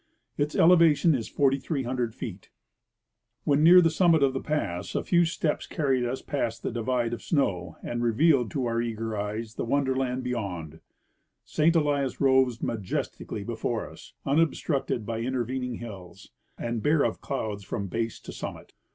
Its elevation is 4,300 feet. AVhen near the summit of the ]3ass a few steps car ried us past the divide of snow, and revealed to our eager eyes the wonderland beyond. St. Elias rose majestically before us, unobstructed by intervening hills, and bare of clouds from base to summit.